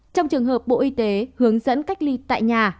trong trường hợp bộ y tế hướng dẫn cách ly tại nhà